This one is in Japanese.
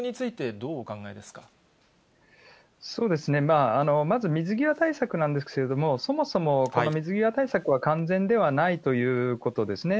そうですね、まず水際対策なんですけれども、そもそもこの水際対策は完全ではないということですね。